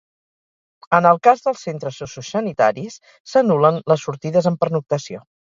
En el cas dels centres sociosanitaris, s’anul·len les sortides amb pernoctació.